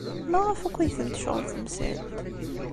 Maɣef akk ay tent-tecɣeb temsalt?